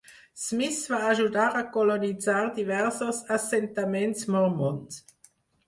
Smith va ajudar a colonitzar diversos assentaments mormons